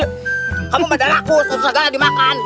kamu pada laku sesegala dimakan